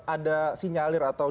ada sinyalir atau